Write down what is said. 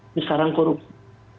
itu sekarang korupsi